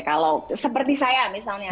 kalau seperti saya misalnya